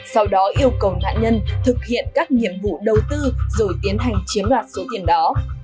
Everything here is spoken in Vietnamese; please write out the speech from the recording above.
sau đó yêu cầu nạn nhân thực hiện các nhiệm vụ đầu tư rồi tiến hành chiếm đoạt số tiền đó